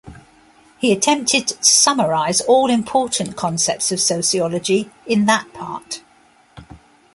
He attempted to summarize all important concepts of sociology in that part.